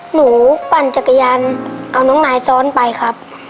ปั่นจักรยานเอาน้องนายซ้อนไปครับ